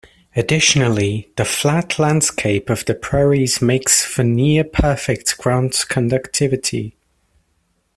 Additionally, the flat landscape of the prairies makes for near-perfect ground conductivity.